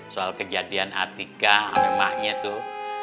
soal kejadian atika sama emaknya tuh